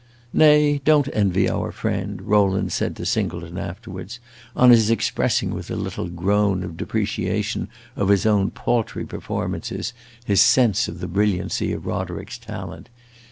"Nay, don't envy our friend," Rowland said to Singleton afterwards, on his expressing, with a little groan of depreciation of his own paltry performances, his sense of the brilliancy of Roderick's talent.